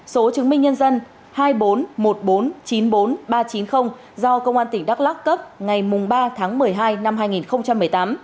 số chứng minh nhân dân hai bốn một bốn chín bốn ba chín không do công an tỉnh đắk lắc cấp ngày ba tháng một mươi hai năm hai nghìn một mươi tám